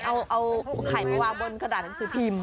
เอาไข่มาวางบนกระดาษหนังสือพิมพ์